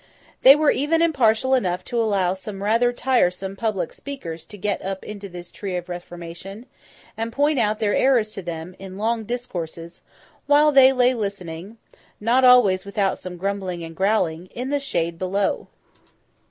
They were even impartial enough to allow some rather tiresome public speakers to get up into this Tree of Reformation, and point out their errors to them, in long discourses, while they lay listening (not always without some grumbling and growling) in the shade below.